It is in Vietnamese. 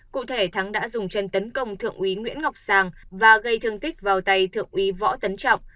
cụ thể thắng đã dùng chân tấn công thượng úy nguyễn ngọc sang và gây thương tích vào tay thượng úy võ tấn trọng